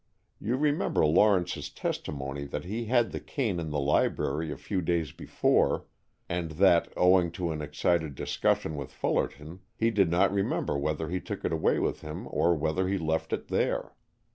You remember Lawrence's testimony that he had the cane in the library a few days before, and that, owing to an excited discussion with Fullerton, he did not remember whether he took it away with him or whether he left it there.